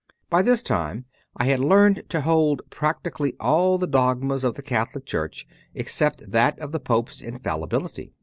By this time I had learned to hold practically all the dogmas of the Catholic Church except that of the Pope s Infallibility.